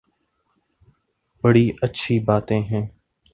بڑی اچھی باتیں ہیں۔